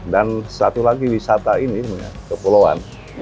dan satu lagi wisata ini ke pulauan